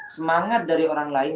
semangat dari orang lain